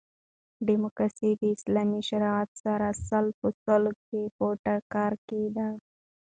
ډیموکاسي د اسلامي شریعت سره سل په سلو کښي په ټکر کښي ده.